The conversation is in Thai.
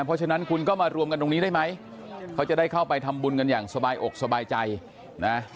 เพราะฉะนั้นคุณก็มารวมกันตรงนี้ได้ไหมเขาจะได้เข้าไปทำบุญกันอย่างสบายอกสบายใจนะ